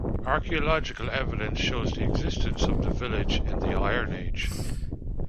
Archaeological evidence shows the existence of the village in the Iron Age.